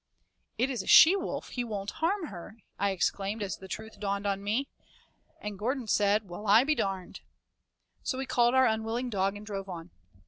"It is a she wolf, he won't harm her," I exclaimed as the truth dawned on me. And Gordon said: "Well, I be darned." So we called our unwilling dog and drove on.